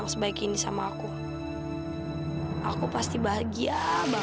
lia gimana kalau roti bakar aja